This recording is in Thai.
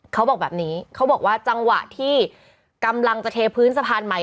เขาบอกแบบนี้เขาบอกว่าจังหวะที่กำลังจะเทพื้นสะพานใหม่